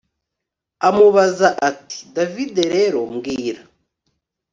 amubaza ati david rero mbwira